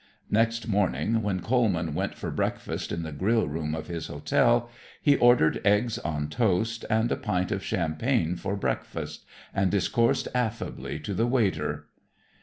Next morning when Coleman went for breakfast in the grill room of his hotel he ordered eggs on toast and a pint of champagne for breakfast and discoursed affably to the waiter.